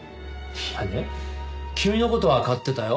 いやね君の事は買ってたよ。